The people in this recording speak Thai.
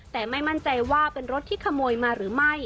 แต่ไม่มั่นใจว่าเป็นรถที่ขโมยมาหรือไม่